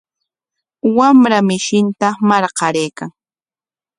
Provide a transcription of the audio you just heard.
Wamra mishinta marqaraykan.